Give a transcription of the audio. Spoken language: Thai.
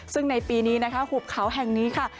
ซึ่งในปีนี้นะคะหุบเขาแห่งนี้ค่ะ